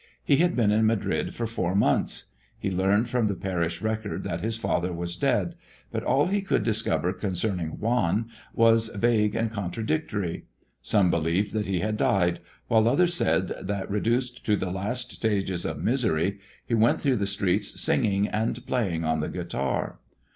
He had been in Madrid for four months. He learned from the parish record that his father was dead; but all he could discover concerning Juan was vague and contradictory. Some believed that he had died, while others said that, reduced to the last stages of misery, he went through the streets singing and playing on the guitar.